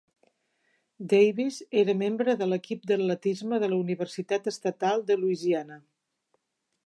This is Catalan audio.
Davis era membre de l'equip d'atletisme de la Universitat Estatal de Louisiana.